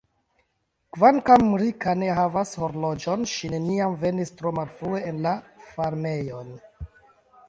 Kvankam Rika ne havas horloĝon, ŝi neniam venis tro malfrue en la farmejon.